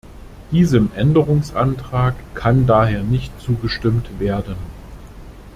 Diesem Änderungsantrag kann daher nicht zugestimmt werden.